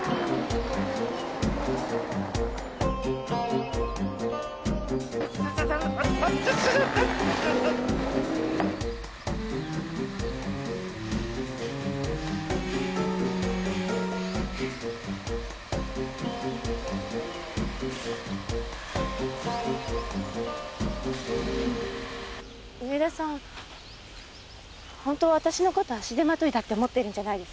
本当は私の事足手まといだって思ってるんじゃないですか？